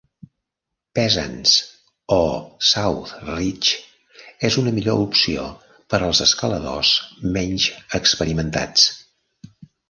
Peasants o South Ridge és una millor opció per als escaladors menys experimentats.